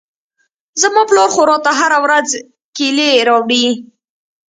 زما پلار خو راته هره ورځ کېلې راوړي.